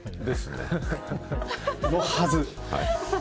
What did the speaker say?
のはず。